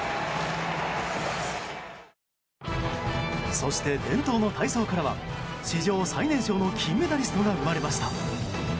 そして、伝統の体操からは史上最年少の金メダリストが生まれました。